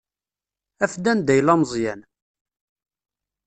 Af-d anda yella Meẓyan.